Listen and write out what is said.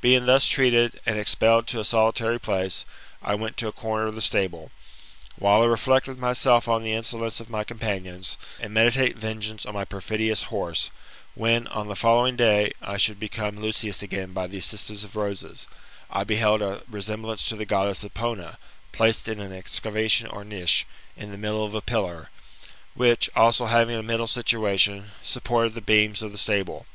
Being thus treated, and expelled to a solitary place, I went to a corner of the stable. A nd while I reflect with myself on the insolence of my companions and meditate vengeance on my perfidious horse, when, on the following day, I should become Lucius again by the assistance of roses, I beheld a resemblance o f the (^ddess Epona, placed in an excavation or niche, ia Jthe middle of a 'piTlar, which," also Baving a middle situation, slipportea ttie beams of the stable.